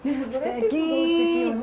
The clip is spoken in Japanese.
すてき。